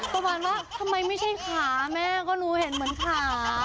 ประมาณว่าทำไมไม่ใช่ขาแม่ก็รู้เห็นเหมือนขา